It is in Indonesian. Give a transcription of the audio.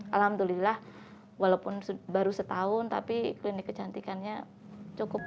alhamdulillah walaupun baru setahun tapi klinik kecantikannya cukup